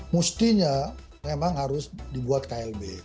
mestinya memang harus dibuat klb